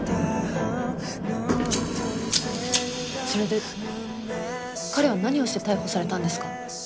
それで彼は何をして逮捕されたんですか？